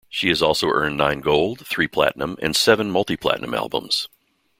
She has also earned nine gold, three platinum, and seven multi-platinum albums.